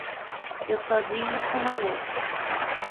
Eu só vi isso uma vez.